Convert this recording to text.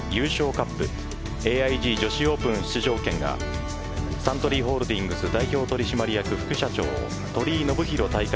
カップＡＩＧ女子オープン出場権がサントリーホールディングス代表取締役副社長鳥井信宏大会